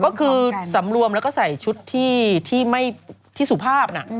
ก็คือสำรวมแล้วก็ใส่ชุดที่สุภาพนะ